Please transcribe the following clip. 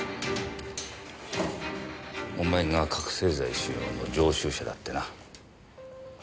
お前が覚せい剤使用の常習者だってな。